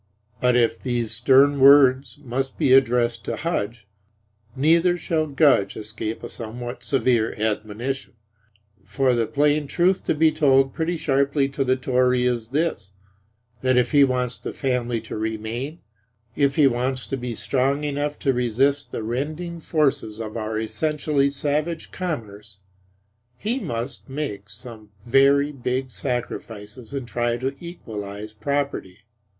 But if these stern words must be addressed to Hudge, neither shall Gudge escape a somewhat severe admonition. For the plain truth to be told pretty sharply to the Tory is this, that if he wants the family to remain, if he wants to be strong enough to resist the rending forces of our essentially savage commerce, he must make some very big sacrifices and try to equalize property.